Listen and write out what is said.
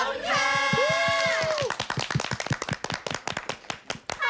ขอบคุณค่ะ